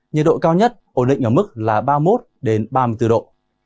nhật độ cao nhất ổn định ở mức là ba mươi một đến ba mươi bốn độ